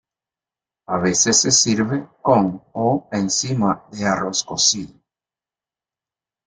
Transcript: A veces se sirve con o encima de arroz cocido.